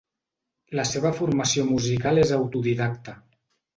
La seva formació musical és autodidacta.